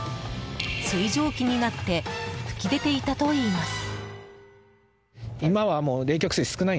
水蒸気になって噴き出ていたといいます。